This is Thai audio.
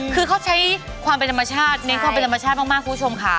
คือเขาใช้ความเป็นธรรมชาติเน้นความเป็นธรรมชาติมากคุณผู้ชมค่ะ